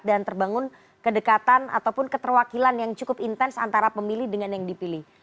dan terbangun kedekatan ataupun keterwakilan yang cukup intens antara pemilih dengan yang dipilih